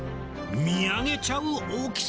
見上げちゃう大きさ！